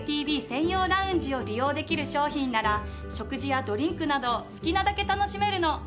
専用ラウンジを利用できる商品なら食事やドリンクなどを好きなだけ楽しめるの。